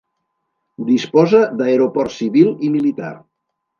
Disposa d'aeroport civil i militar.